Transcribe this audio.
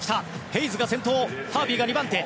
ヘイズが先頭ハービーが２番手。